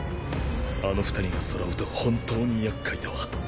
あの２人がそろうと本当にやっかいだわ。